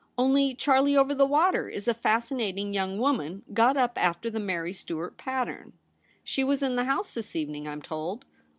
Only *' Charlie over the Water" is a fascinating young woman got up after the Mary Stuart pattern. She was in the House this evening, I'm told.